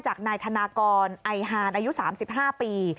จากนายธนากรไอฮานอายุ๓๕ปี